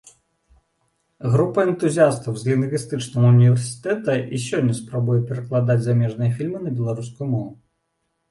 Група энтузіястаў з лінгвістычнага ўніверсітэта і сёння спрабуе перакладаць замежныя фільмы на беларускую мову.